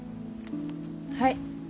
はい。